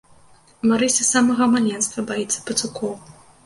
Марыся з самага маленства баіцца пацукоў.